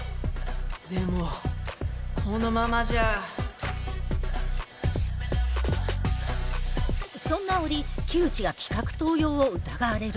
でもこのままじゃそんな折木内が企画盗用を疑われる。